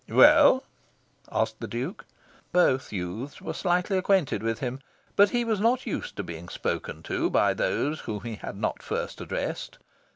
"Well?" asked the Duke. Both youths were slightly acquainted with him; but he was not used to being spoken to by those whom he had not first addressed.